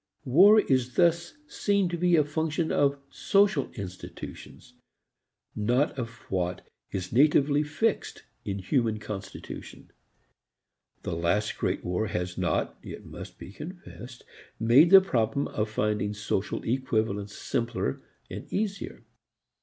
War is thus seen to be a function of social institutions, not of what is natively fixed in human constitution. The last great war has not, it must be confessed, made the problem of finding social equivalents simpler and easier.